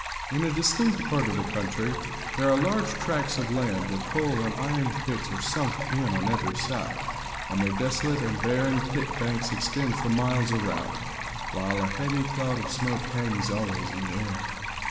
In a distant part of the country there are large tracts of land where coal and iron pits are sunk on every side, and their desolate and barren pit banks extend for miles round, while a heavy cloud of smoke hangs always in the air.